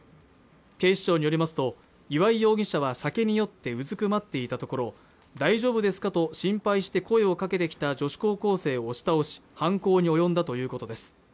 警視庁によりますと岩井容疑者は酒に酔ってうずくまっていたところ大丈夫ですかと心配して声をかけてきた女子高校生を押し倒し犯行に及んだということです